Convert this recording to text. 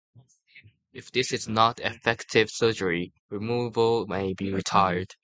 If this is not effective surgery removal may be tried.